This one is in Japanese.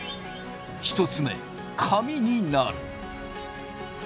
１つ目紙になる。